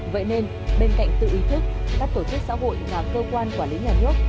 vậy nên bên cạnh tự ý thức các tổ chức xã hội là cơ quan quản lý nhà nước